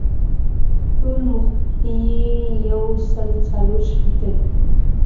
ټول مخونه یې یو سل څلور شپېته دي.